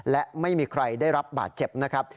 และไม่มีใครได้รับบาดเจ็บนะครับ